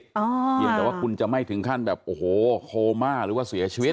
เพียงแต่ว่าคุณจะไม่ถึงขั้นแบบโอ้โหโคม่าหรือว่าเสียชีวิต